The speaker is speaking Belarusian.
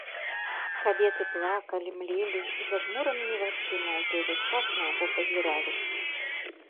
Кабеты плакалі, млелі і зажмуранымі вачыма ў той жа час на яго пазіралі.